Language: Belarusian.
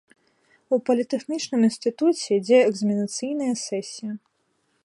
У політэхнічным інстытуце ідзе экзаменацыйная сесія.